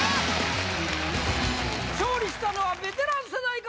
勝利したのはベテラン世代か？